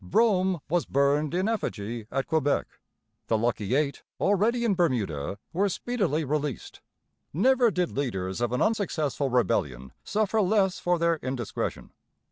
Brougham was burned in effigy at Quebec. The lucky eight, already in Bermuda, were speedily released. Never did leaders of an unsuccessful rebellion suffer less for their indiscretion.